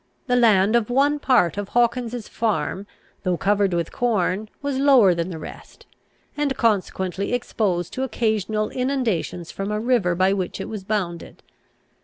The land of one part of Hawkins's farm, though covered with corn, was lower than the rest; and consequently exposed to occasional inundations from a river by which it was bounded.